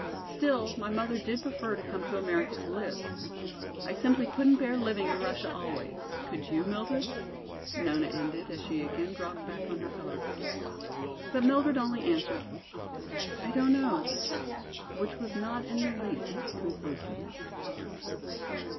Still, my mother did prefer to come to America to live. I simply couldn't bear living in Russia always, could you, Mildred?" Nona ended, as she again dropped back on her pillow. But Mildred only answered, "I don't know," which was not in the least conclusive.